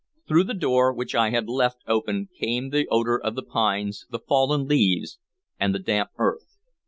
Through the door, which I had left open, came the odor of the pines, the fallen leaves, and the damp earth.